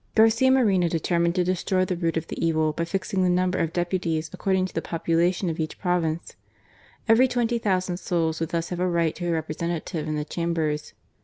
Garcia Moreno determined to destroy the root of the evil by fixing the number of deputies according to the population of each pro vince. Every twenty thousand souls would thus have a right to a representative in the Chambers.